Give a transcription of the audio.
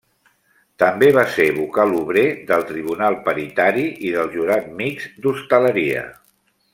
També va ser vocal obrer del Tribunal Paritari i del Jurat Mixt d'Hostaleria.